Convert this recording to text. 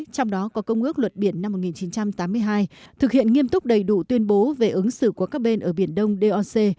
trong đó có công ước luật biển năm một nghìn chín trăm tám mươi hai thực hiện nghiêm túc đầy đủ tuyên bố về ứng xử của các bên ở biển đông doc